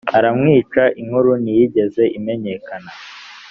aramwica inkuru ntiyigeze imenyekana